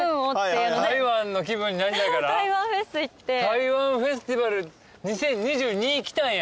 台湾フェスティバル２０２２来たんや。